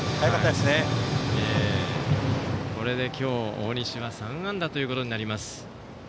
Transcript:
これで今日、大西は３安打ということになります。